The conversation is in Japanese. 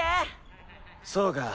そうか。